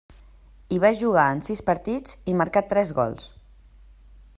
Hi va jugar en sis partits, i marcà tres gols.